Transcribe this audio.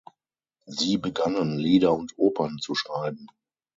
Sie begannen Lieder und Opern zu schreiben.